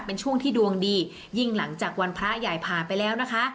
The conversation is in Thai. เป็นช่วงที่ดวงดียิ่งหลังจากวันพระใหญ่ผ่านไปแล้วนะคะ